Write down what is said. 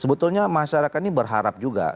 sebetulnya masyarakat ini berharap juga